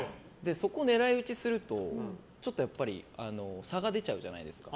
そこを狙い撃ちすると差が出ちゃうじゃないですか